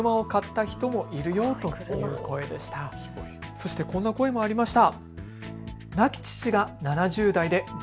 そしてこんな声もありました。